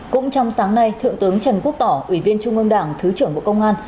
cũng trong sáng nay thượng tướng trần quốc tỏ ủy viên trung ương đảng thứ trưởng bộ công an